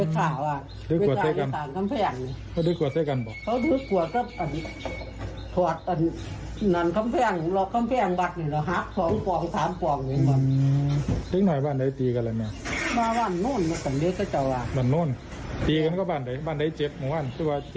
ซึ่งเหนื่อยบ้านนั้นไหม